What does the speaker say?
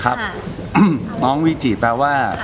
น้องวิจิแปลว่า